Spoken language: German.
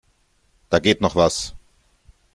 Da geht noch was.